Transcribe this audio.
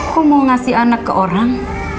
aku mau ngasih anak ke orang